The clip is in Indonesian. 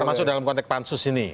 termasuk dalam konteks pansus ini